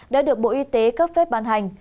đã được bộ y tế cấp phép ban hành